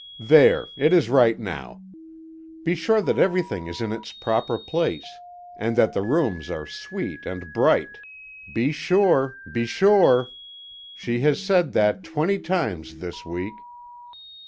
There it is right now. Be sure that everything is in its proper place, and that the rooms are sweet and bright be sure be sure! She has said that twenty times this week."